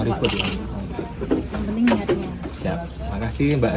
jadi gak usah lihat lokasi penemu gak usah ribet ya